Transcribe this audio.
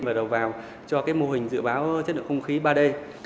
và đầu vào cho mô hình dự báo chất lượng không khí ba d